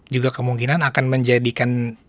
juga kemungkinan akan menjadikan